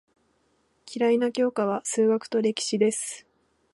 嫌いな教科は数学と歴史です。